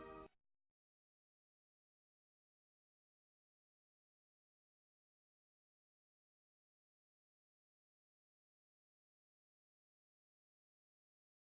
สุขกับฮังไหวในชายน้ำ